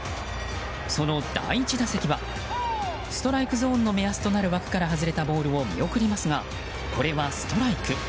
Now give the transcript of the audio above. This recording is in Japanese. その第１打席はストライクゾーンの目安となる枠から外れたボールを見送りますが、これはストライク。